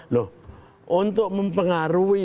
loh untuk mempengaruhi